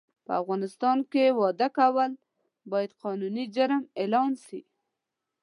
په افغانستان کې واده کول باید قانوني جرم اعلان سي